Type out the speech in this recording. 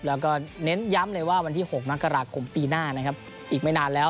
แล้วก็เน้นย้ำเลยว่าวันที่๖มกราคมปีหน้านะครับอีกไม่นานแล้ว